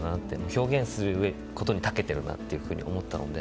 表現することにたけているなと思ったので。